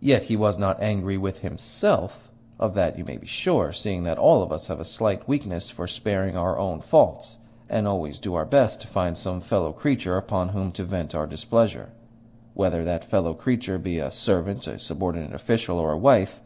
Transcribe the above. Yet he was not angry with HIMSELF of that you may be sure, seeing that all of us have a slight weakness for sparing our own faults, and always do our best to find some fellow creature upon whom to vent our displeasure whether that fellow creature be a servant, a subordinate official, or a wife.